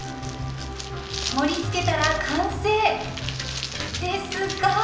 盛りつけたら完成ですが。